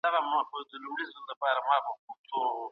د جدي پرېکړي پر مهال باید سرچینو ته ارزښت ورکړل سي.